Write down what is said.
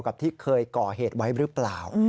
กับที่เคยก่อเหตุไว้หรือเปล่า